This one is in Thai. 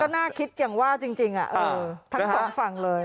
น่าคิดอย่างว่าจริงทั้งสองฝั่งเลย